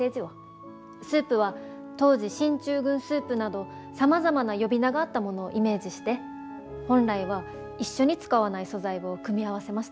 スープは当時進駐軍スープなどさまざまな呼び名があったものをイメージして本来は一緒に使わない素材を組み合わせました。